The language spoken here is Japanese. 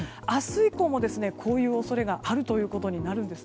以降もこういう恐れがあるということになります。